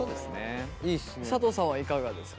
佐藤さんはいかがですか？